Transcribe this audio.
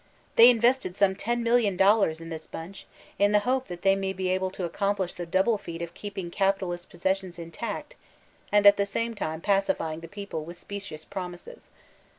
They invested some $io, ooo/x)0 in this bunch, in the hope that they may be able to accomplish the double feat of keeping capitalist possessions intact and at the same time pacifying the people with specious promises.